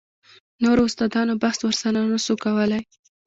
نورو استادانو بحث ورسره نه سو کولاى.